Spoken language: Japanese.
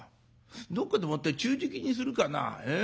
どっかでもって昼食にするかなええ？